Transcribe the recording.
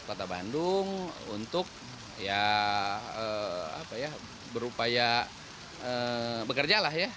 kota bandung untuk berupaya bekerja lah ya